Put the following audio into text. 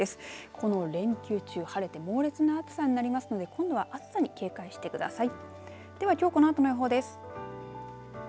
この連休中晴れて猛烈な暑さになりますので今度は暑さに警戒してください。